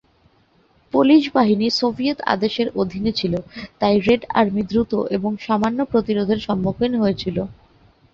Polish বাহিনী Soviet আদেশের অধীনে ছিল, তাই রেড আর্মি দ্রুত এবং সামান্য প্রতিরোধের সম্মুখীন হয়েছিল।